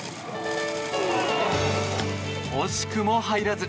惜しくも入らず。